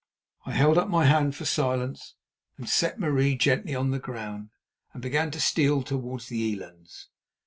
I held up my hand for silence, set Marie gently on the ground, and began to steal towards the elands.